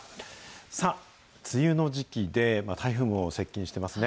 さあ、梅雨の時期で、台風も接近してますね。